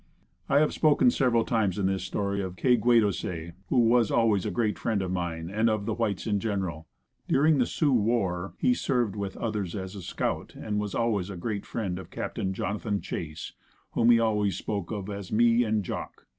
I have spoken several times in this story of Kay gway do say, who was always a great friend of mine and of the whites in general. During the Sioux war he served with others, as a scout, was always a great friend of Captain Jonathan Chase, whom he always spoke of as "Me and Jock."